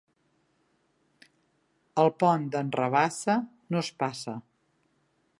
Al pont d'en Rabassa, no es passa.